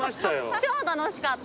超楽しかった。